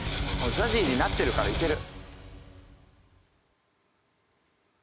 ＺＡＺＹになってるからいける。